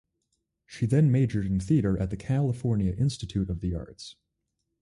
She then majored in theatre at the California Institute of the Arts.